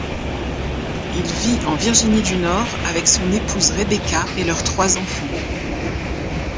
Il vit en Virginie du Nord avec son épouse Rebecca et leurs trois enfants.